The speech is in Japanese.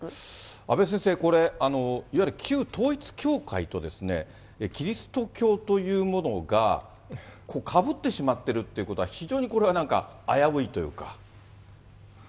阿部先生、これ、いわゆる旧統一教会とですね、キリスト教徒いうものが、かぶってしまっているということは、非常にこれはなんか、危ういというか。